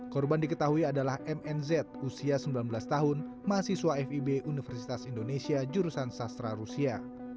korban diketahui adalah mnz usia sembilan belas tahun mahasiswa fib universitas indonesia jurusan sastra rusia